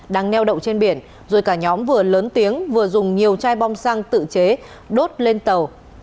đang neo đậu trên biển rồi cả nhóm vừa lớn tiếng vừa dùng nhiều chai bom xăng tự chế đốt lên tàu